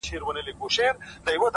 o وېريږي نه خو انگازه يې بله ـ